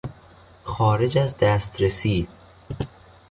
خارج از دسترسی